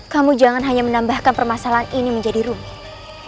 kamu jangan hanya menambahkan permasalahan ini menjadi rumit